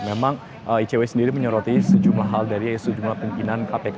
memang icw sendiri menyoroti sejumlah hal dari sejumlah pimpinan kpk